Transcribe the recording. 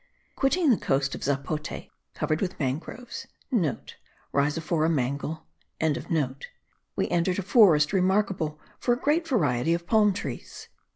Quitting the coast of Zapote, covered with mangroves,* (* Rhizophora mangle.) we entered a forest remarkable for a great variety of palm trees.